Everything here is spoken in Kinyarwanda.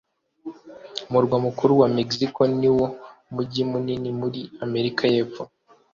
umurwa mukuru wa mexico niwo mujyi munini muri amerika y'epfo